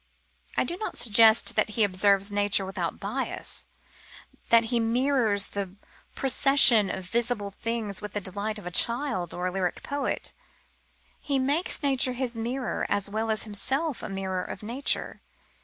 I do not suggest that he observes nature without bias that he mirrors the procession of visible things with the delight of a child or a lyric poet. He makes nature his mirror as well as himself a mirror of nature.